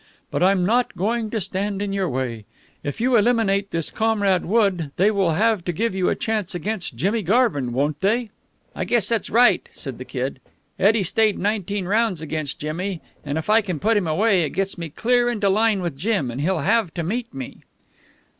But I'm not going to stand in your way. If you eliminate this Comrade Wood, they will have to give you a chance against Jimmy Garvin, won't they?" "I guess that's right," said the Kid. "Eddie stayed nineteen rounds against Jimmy, and, if I can put him away, it gets me clear into line with Jim, and he'll have to meet me."